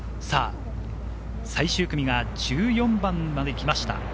最終組が１４番まできました。